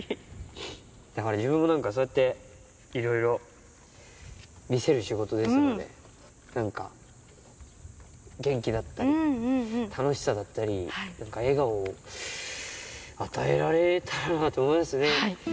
だから自分もなんか、そうやっていろいろ魅せる仕事ですので、なんか元気だったり、楽しさだったり、なんか笑顔を与えられたらなと思いますね。